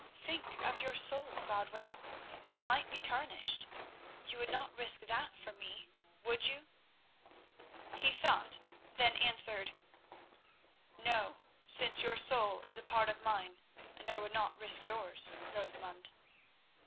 "Think of your soul, Godwin. It might be tarnished. You would not risk that for me, would you?" He thought. Then answered: "No; since your soul is a part of mine, and I would not risk yours, Rosamund."